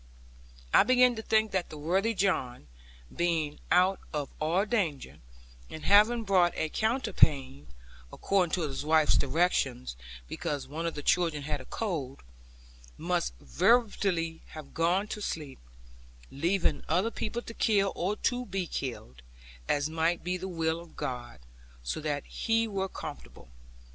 I began to think that the worthy John, being out of all danger, and having brought a counterpane (according to his wife's directions, because one of the children had a cold), must veritably have gone to sleep; leaving other people to kill, or be killed, as might be the will of God; so that he were comfortable.